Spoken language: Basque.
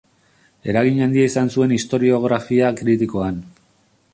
Eragin handia izan zuen historiografia kritikoan.